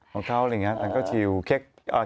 ของเขาอะไรอย่างนี้อันก็ที่อยู่